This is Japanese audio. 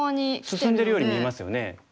進んでるように見えますよね。